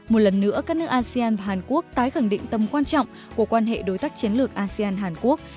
một lần nữa các nước asean và hàn quốc tái khẳng định tầm quan trọng của quan hệ đối tác chiến lược asean hàn quốc